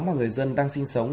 mà người dân đang sinh sống